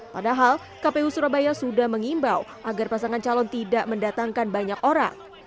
padahal kpu surabaya sudah mengimbau agar pasangan calon tidak mendatangkan banyak orang